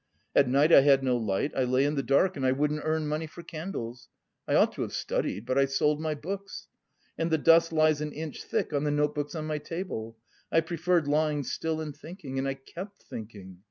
At night I had no light, I lay in the dark and I wouldn't earn money for candles. I ought to have studied, but I sold my books; and the dust lies an inch thick on the notebooks on my table. I preferred lying still and thinking. And I kept thinking....